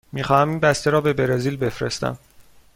می خواهم این بسته را به برزیل بفرستم.